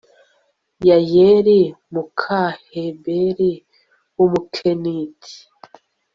yayeli, muka heberi w'umukeniti